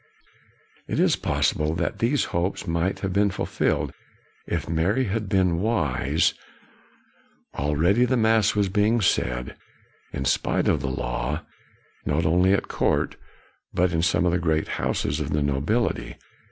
It is possible that these hopes might have been fulfilled, if Mary had been wise. 1 40 KNOX Already, the mass was being said, in spite of the law, not only at court, but in some of the great houses of the nobility.